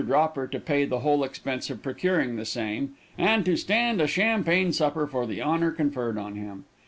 Dropper to pay the whole expense of procuring the same, and to stand a champagne supper for the honor conferred on him.